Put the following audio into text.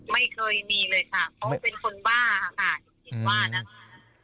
ไม่เคยมีเลยค่ะเพราะว่าเป็นคนบ้าค่ะ